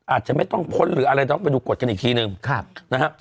อาจจะไม่ต้องพ้นหรืออะไรต้องไปดูกฎกันอีกทีหนึ่งนะฮะ